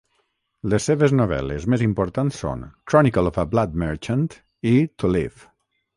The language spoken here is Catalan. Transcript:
Les seves novel·les més importants són "Chronicle of a Blood Merchant" i "To Live".